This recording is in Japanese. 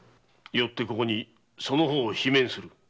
よってここにその方を罷免する。